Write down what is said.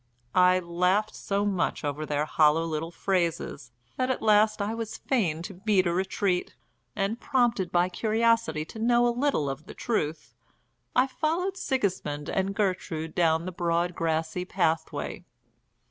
I laughed so much over their hollow little phrases that at last I was fain to beat a retreat, and, prompted by curiosity to know a little of the truth, I followed Sigismund and Gertrude down the broad grassy pathway.